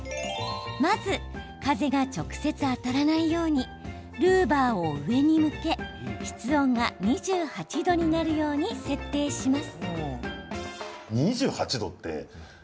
まず、風が直接当たらないようにルーバーを上に向け室温が２８度になるように設定します。